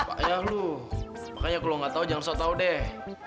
pak ayah lu makanya kalo lu ga tau jangan sok tau deh